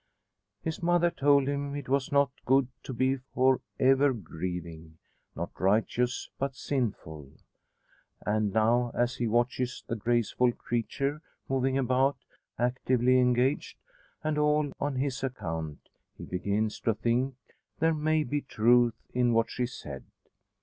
His mother told him it was not good to be for ever grieving not righteous, but sinful. And now, as he watches the graceful creature moving about, actively engaged and all on his account he begins to think there may be truth in what she said.